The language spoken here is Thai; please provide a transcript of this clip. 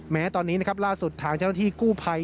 แม้ตอนนี้นะครับล่าสุดทางชะนวดที่กู้ไพ